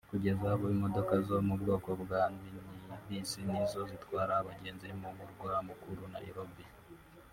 Kugeza ubu imodoka zo mu bwoko bwa minibisi nizo zitwara abagenzi mu murwa mukuru Nairobi